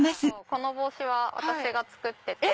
この帽子は私が作ってて。